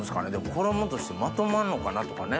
衣としてまとまんのかなとかね。